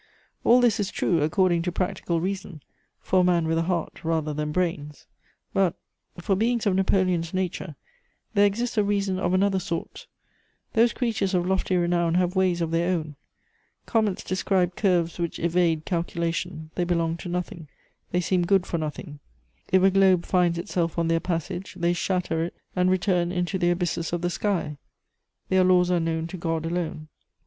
All this is true according to practical reason, for a man with a heart rather than brains; but, for beings of Napoleon's nature, there exists a reason of another sort; those creatures of lofty renown have ways of their own: comets describe curves which evade calculation; they belong to nothing, they seem good for nothing; if a globe finds itself on their passage, they shatter it and return into the abysses of the sky; their laws are known to God alone.